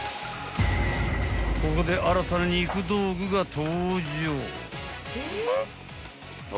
［ここで新たな肉道具が登場］